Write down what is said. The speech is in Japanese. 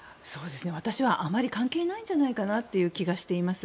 私はあまり関係ないんじゃないかなという気がしています。